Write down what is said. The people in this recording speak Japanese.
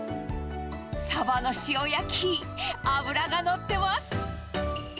サバの塩焼き、脂が乗ってます。